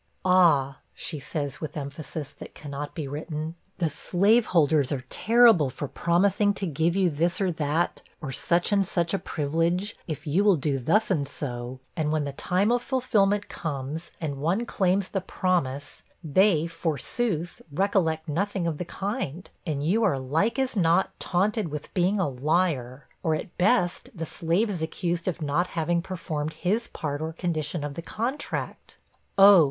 'Ah!' she says, with emphasis that cannot be written, 'the slaveholders are TERRIBLE for promising to give you this or that, or such and such a privilege, if you will do thus and so; and when the time of fulfilment comes, and one claims the promise, they, forsooth, recollect nothing of the kind: and you are, like as not, taunted with being a LIAR; or, at best, the slave is accused of not having performed his part or condition of the contract.' 'Oh!'